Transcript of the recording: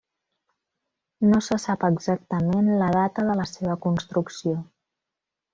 No se sap exactament la data de la seva construcció.